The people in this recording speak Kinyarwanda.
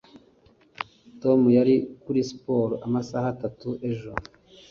tom yari kuri siporo amasaha atatu ejo